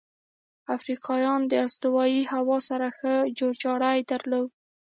افریقایان د استوایي هوا سره ښه جوړجاړی درلود.